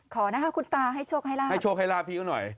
ขอนะคะคุณตาให้โชคให้ลาบให้โชคให้ลาบพี่เขาหน่อย